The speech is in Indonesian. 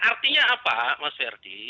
artinya apa mas verdi